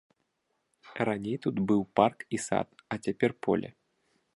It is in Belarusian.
Раней тут быў парк і сад, а цяпер поле.